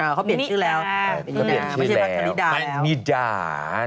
นิดาไม่ใช่พัฒนิดาแล้วพัฒนิดา